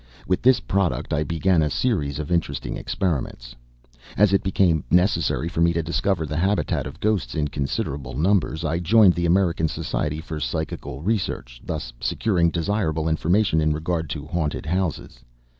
With this product I began a series of interesting experiments. As it became necessary for me to discover the habitat of ghosts in considerable numbers, I joined the American Society for Psychical Research, thus securing desirable information in regard to haunted houses.